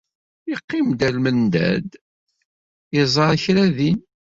Yeqqim-d almendad, iẓerr kra din.